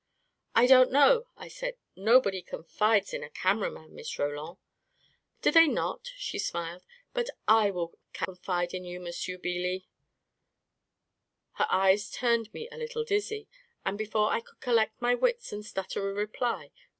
" I don't know," I said. " Nobody confides in a cameraman, Miss Roland." " Do they not ?" she smiled. " But, / will confide in you, M'sieu Beelee." Her eyes turned me a little dizzy, and before I could collect my wits and stutter a reply.